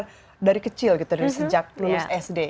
saya dari kecil gitu dari sejak lulus sd